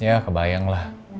ya kebayang lah